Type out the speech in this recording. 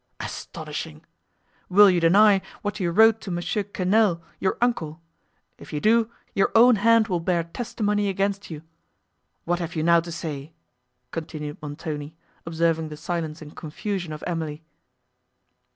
"Astonishing! Will you deny what you wrote to Mons. Quesnel, your uncle? If you do, your own hand will bear testimony against you. What have you now to say?" continued Montoni, observing the silence and confusion of Emily.